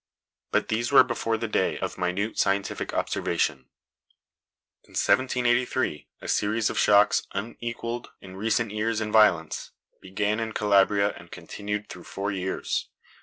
But these were before the day of minute scientific observation. In 1783, a series of shocks, unequalled in recent years in violence, began in Calabria and continued through four years.